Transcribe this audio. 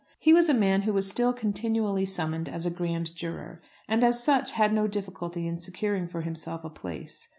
He was a man who was still continually summoned as a grand juror, and as such had no difficulty in securing for himself a place.